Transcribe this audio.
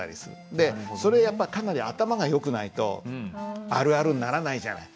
でそれやっぱかなり頭がよくないとあるあるにならないじゃない。